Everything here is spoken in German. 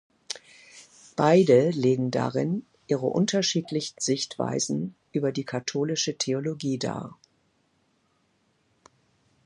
Beide legen darin ihre unterschiedlichen Sichtweisen über die katholische Theologie dar.